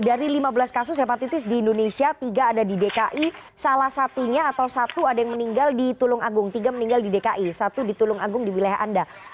dari lima belas kasus hepatitis di indonesia tiga ada di dki salah satunya atau satu ada yang meninggal di tulung agung tiga meninggal di dki satu di tulung agung di wilayah anda